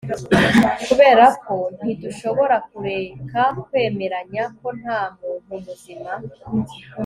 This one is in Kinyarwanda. kuberako ntidushobora kureka kwemeranya ko ntamuntu muzima